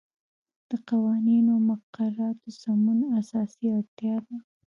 د قوانینو او مقرراتو سمون اساسی اړتیا ده.